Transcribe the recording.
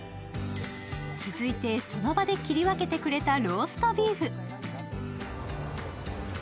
続いてその場で切り分けてくれたローストビーフ。